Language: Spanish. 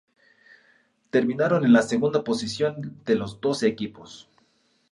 Terminaron en la segunda posición de los doce equipos.